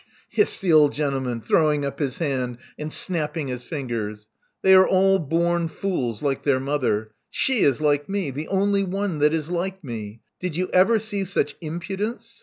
hissed the old gentleman, throwing up his hand and snapping his fingers. They are all born fools — ^like their mother. She is like me, the only one that is like me. Did you ever see such impudence?